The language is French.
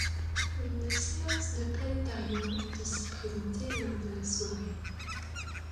Une séance de planétarium est aussi présentée lors de la soirée.